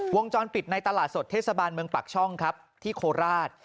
วงจรปิดในตลาดสดเทศบาลเมืองปากช่องครับที่โคราช